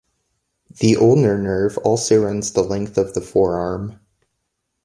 The ulnar nerve also runs the length of the forearm.